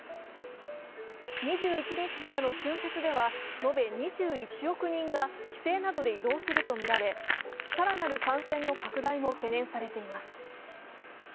２１日からの春節では延べ２１億人が帰省などで移動するとみられ更なる感染の拡大も懸念されています。